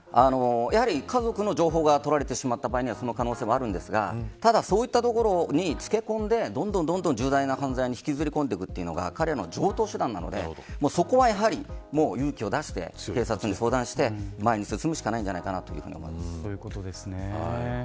家族の情報が取られてしまった場合はその可能性もありますがただ、そういったところにつけこんで、重大な犯罪に引きずり込んでいくというのが彼らの常とう手段なのでそこは勇気を出して警察に相談して前に進むしかないのではないかと思います。